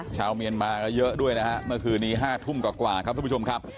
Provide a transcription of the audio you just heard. ชาวเมียนมาก็เยอะด้วยนะฮะเมื่อคืนนี้๕ทุ่มกว่าครับทุกผู้ชมครับ